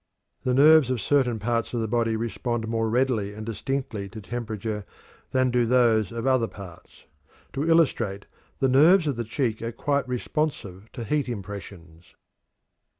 The nerves of certain parts of the body respond more readily and distinctly to temperature than do those of other parts. To illustrate, the nerves of the cheek are quite responsive to heat impressions.